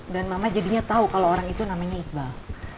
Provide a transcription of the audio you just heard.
dan mama jadinya tahu kalau orang itu namanya iqbal